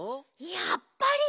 やっぱり。